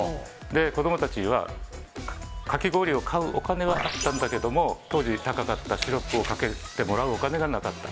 子供たちは、かき氷を買うお金はあったんだけど当時、高かったシロップをかけてもらうお金がなかった。